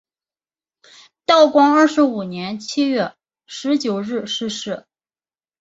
道光二十五年七月十九日逝世。